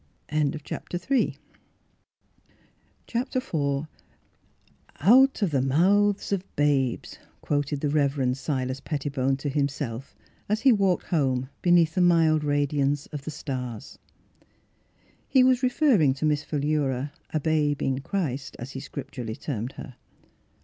IV " Out of the mouths of babes," quoted the Rev. Silas Pettibone to himself as he walked home beneath the mild radiance of the stars. He "vvas referring to Miss Phi lura, " a babe in Christ," as he scrip turally termed her.